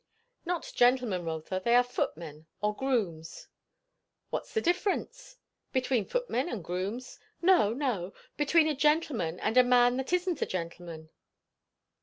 "Not gentlemen, Rotha; they are footmen, or grooms." "What's the difference?" "Between footmen and grooms?" "No, no; between a gentleman and a man that isn't a gentleman?"